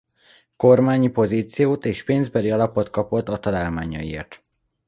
Kormányi pozíciót és pénzbeli alapot kapott a találmányaiért.